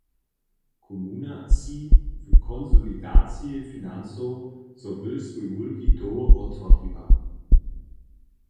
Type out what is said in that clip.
Komuna tči w konsolidaciji financow, zo by swój wulki dołh wottwariła.